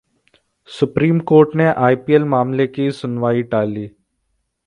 supreme court ने IPL मामले की सुनवाई टाली